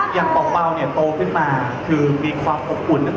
อย่างเป่าเป่าตัวขึ้นมาคือมีความอบอุ่น